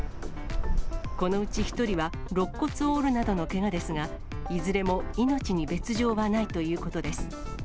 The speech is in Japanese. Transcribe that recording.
このうち１人はろっ骨を折るなどのけがですが、いずれも命に別状はないということです。